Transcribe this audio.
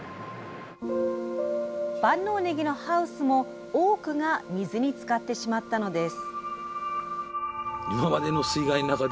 万能ねぎのハウスも多くが水につかってしまったのです。